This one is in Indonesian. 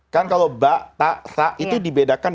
kan kalau ba ta ra itu dibedakan